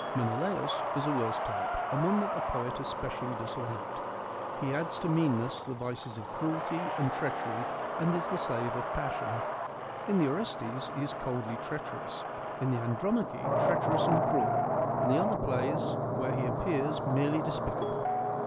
Menelaus is a worse type and one that the poet especially disliked. He adds to meanness the vices of cruelty and treach ery and is the slave of passion. In the Orestes he is coldly treacherous, in the Andromache treacherous and cruel, in the other plays where he appears merely despicable.